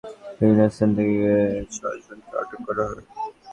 গতকাল বুধবার ভোরে সোনাদিয়ার বিভিন্ন স্থান থেকে ছয়জনকে আটক করা হয়।